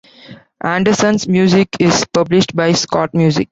Anderson's music is published by Schott Music.